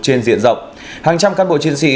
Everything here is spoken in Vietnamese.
trên diện rộng hàng trăm cán bộ chiến sĩ